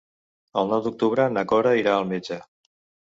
El nou d'octubre na Cora irà al metge.